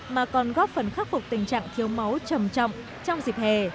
mà còn góp phần khắc phục tình trạng thiếu máu trầm trọng trong dịp hè